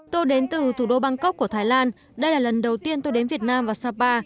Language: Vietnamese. tôi đến từ thủ đô bangkok của thái lan đây là lần đầu tiên tôi đến việt nam và sapa